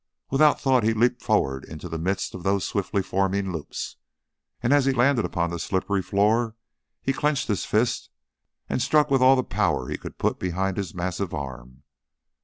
Without thought he leaped forward into the midst of those swiftly forming loops, and as he landed upon the slippery floor he clenched his fist and struck with all the power he could put behind his massive arm.